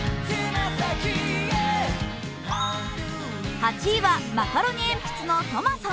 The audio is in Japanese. ８位はマカロニえんぴつの「トマソン」。